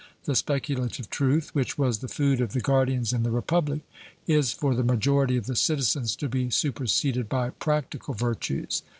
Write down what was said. The speculative truth which was the food of the guardians in the Republic, is for the majority of the citizens to be superseded by practical virtues.